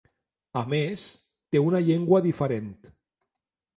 A més, té una llengua diferent.